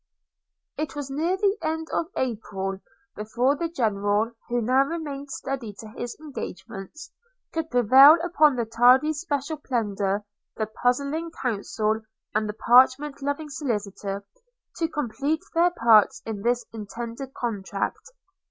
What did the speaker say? It was near the end of April before the General, who now remained steady to his engagements, could prevail upon the tardy special pleader, the puzzling counsel, and the parchment loving solicitor, to complete their parts in this intended contract.